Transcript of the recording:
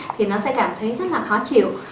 thì nó sẽ cảm thấy rất là khó chịu